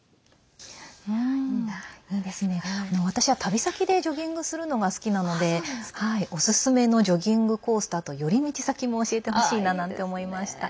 私は旅先でジョギングするのが好きなのでおすすめのジョギングコースとあと寄り道先も教えてほしいななんて思いました。